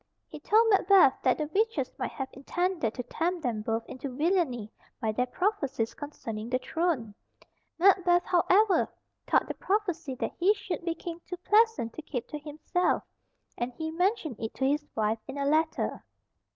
He told Macbeth that the witches might have intended to tempt them both into villainy by their prophecies concerning the throne. Macbeth, however, thought the prophecy that he should be King too pleasant to keep to himself, and he mentioned it to his wife in a letter.